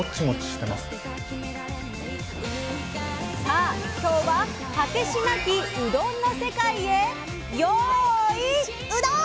さあ今日は果てしなきうどんの世界へよいうどん！